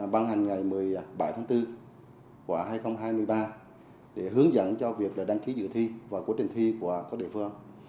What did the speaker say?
ban hành ngày một mươi bảy tháng bốn của hai nghìn hai mươi ba để hướng dẫn cho việc đăng ký dự thi và quá trình thi của các địa phương